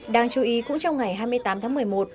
đáng chú ý cũng trong ngày hai mươi tám tháng một mươi một